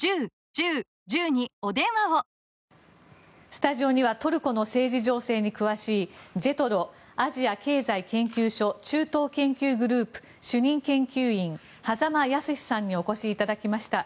スタジオにはトルコの政治情勢に詳しいジェトロ・アジア研究所中東研究グループ主任研究員間寧さんにお越しいただきました。